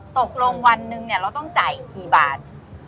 ตกลงวันหนึ่งเราต้องจ่ายอีกกี่บาท